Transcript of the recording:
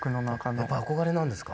やっぱり憧れなんですか。